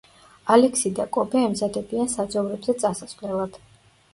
ალექსი და კობე ემზადებიან საძოვრებზე წასასვლელად.